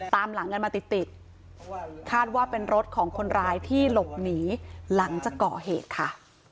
ตามหลังกันมาติดติดคาดว่าเป็นรถของคนร้ายที่หลบหนีหลังจากก่อเหตุค่ะ